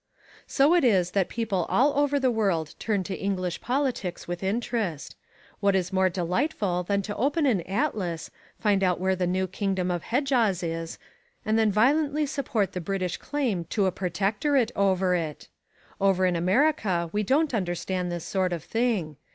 So it is that people all over the world turn to English politics with interest. What more delightful than to open an atlas, find out where the new kingdom of Hejaz is, and then violently support the British claim to a protectorate over it. Over in America we don't understand this sort of thing.